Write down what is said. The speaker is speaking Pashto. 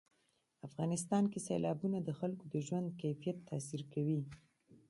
افغانستان کې سیلابونه د خلکو د ژوند کیفیت تاثیر کوي.